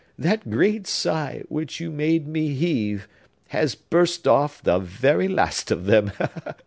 —that great sigh, which you made me heave, has burst off the very last of them!